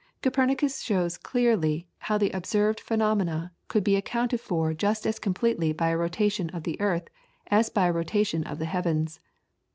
Copernicus shows clearly how the observed phenomena could be accounted for just as completely by a rotation of the earth as by a rotation of the heavens.